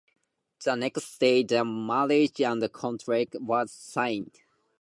The next day, the marriage contract was signed.